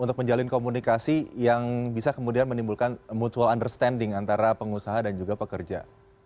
untuk menjalin komunikasi yang bisa kemudian menimbulkan mutual understanding antara pengusaha dan juga pekerja